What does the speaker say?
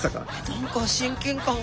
何か親近感が。